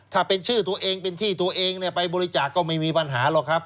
ถ้าเป็นชื่อตัวเองเป็นที่ตัวเองไปบริจาคก็ไม่มีปัญหาหรอกครับ